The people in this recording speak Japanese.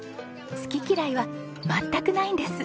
好き嫌いは全くないんです。